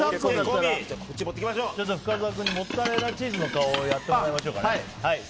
深澤君にモッツァレラチーズの顔をやってもらいましょうかね。